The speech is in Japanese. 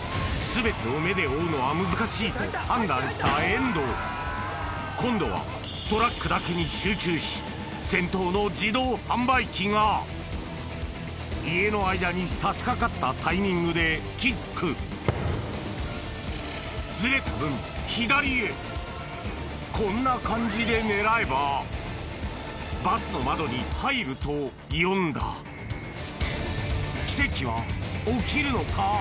すごいな。と判断した遠藤今度はトラックだけに集中し先頭の自動販売機が家の間にさしかかったタイミングでキックずれた分左へこんな感じで狙えばバスの窓に入ると読んだ奇跡は起きるのか？